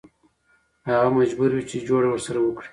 هغه مجبور وي چې جوړه ورسره وکړي.